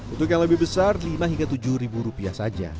untuk yang lebih besar rp lima rp tujuh saja